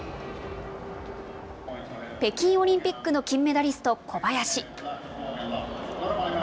北京オリンピックの金メダリスト、小林。